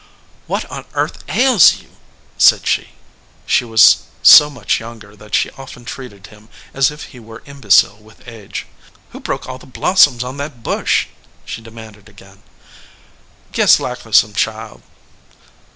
"What on earth ails you?" said she. She was so much younger that she often treated him as if he were imbecile with age. "Who broke all the blooms on that bush ?" she demanded again. "Guess likely some child."